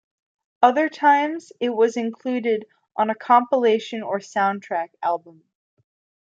Other times it was included on a compilation or soundtrack album.